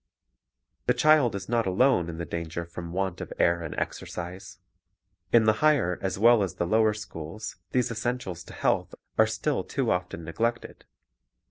The child is not alone in the danger from want of air and exercise. In the higher as well as the lower schools these essentials to health are still too often neglected.